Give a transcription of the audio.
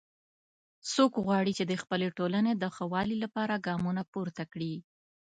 څوک غواړي چې د خپلې ټولنې د ښه والي لپاره ګامونه پورته کړي